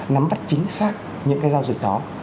nắm bắt chính xác những cái giao dịch đó